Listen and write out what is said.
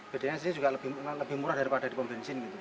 bedanya sih ini juga lebih murah daripada di pembensin